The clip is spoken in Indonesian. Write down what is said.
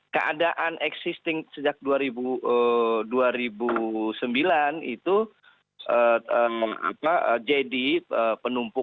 keadaan existing sejak dua ribu sembilan itu jd penumpukan